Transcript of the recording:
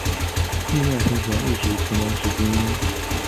地面喷泉一直停用至今。